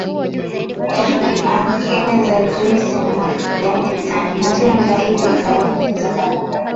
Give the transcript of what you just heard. Ongeza juisi ya matunda ili kuongeza ladha